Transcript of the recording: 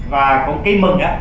và cũng ký mừng đó